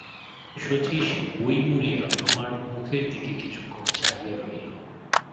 শচীশ বই মুড়িয়া আমার মুখের দিকে কিছুক্ষণ চাহিয়া রহিল।